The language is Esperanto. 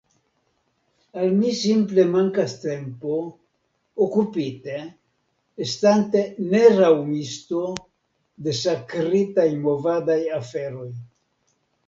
Al mi simple mankas tempo, okupite, estante neraŭmisto, de sakritaj movadaj aferoj.